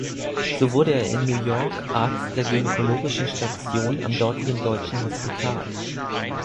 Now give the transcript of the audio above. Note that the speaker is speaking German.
So wurde er in New York Arzt der gynäkologischen Station am dortigen deutschen Hospital.